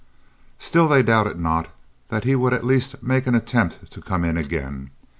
Still they doubted not that he would at least make an attempt to come in again.